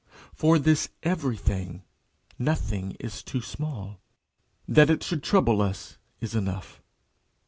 For this everything, nothing is too small. That it should trouble us is enough.